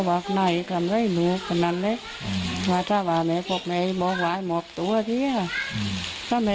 พ่อครับแม่แม่ก็จะพากับไปหมดตัวไหม